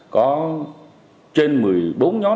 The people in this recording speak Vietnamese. có trên một mươi bốn nhóm đối tượng và hơn năm mươi